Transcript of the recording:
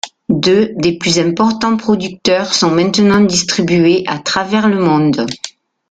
Deux des plus importants producteurs sont maintenant distribués à travers le monde.